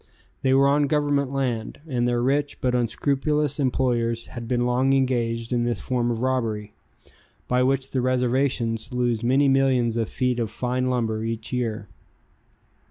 They were on Government land, and their rich but unscrupulous employers had been long engaged in this form of robbery, by which the reservations lose many millions of feet of fine lumber every year.